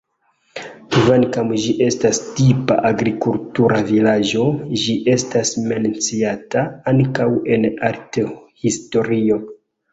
Kvankam ĝi estas tipa agrikultura vilaĝo, ĝi estas menciata ankaŭ en arthistorio.